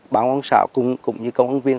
bán quán xã cùng như công an viên